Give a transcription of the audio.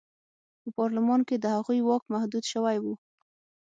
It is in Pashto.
په پارلمان کې د هغوی واک محدود شوی و.